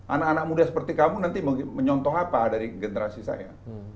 anak anak muda seperti kamu nanti menyontong apa dari generasi saya